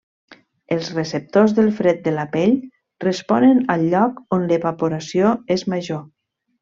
Els receptors del fred de la pell responen al lloc on l'evaporació és major.